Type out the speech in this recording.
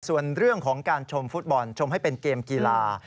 ส่วนเรื่องของการชมฟุตบอลชมให้เป็นเกมกีฬา